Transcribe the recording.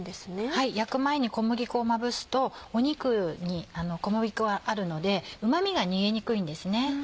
はい焼く前に小麦粉をまぶすと肉に小麦粉があるのでうま味が逃げにくいんですね。